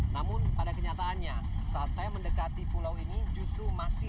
namun pada kenyataannya saat saya mendekati pulau ini justru masih